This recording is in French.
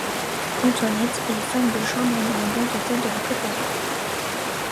Antoinette est femme de chambre dans un grand hôtel de la Côte d'Azur.